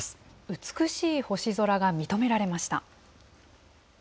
美しい星空が認められました。